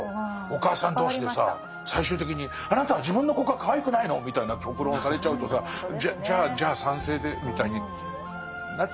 お母さん同士でさ最終的に「あなたは自分の子がかわいくないの？」みたいな極論をされちゃうとさ「じゃじゃあじゃあ賛成で」みたいになっちゃうよね。